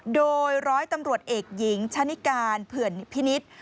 โดยร้อยตำรวจเอกหญิงชะนิการเผื่อนพินิษฐ์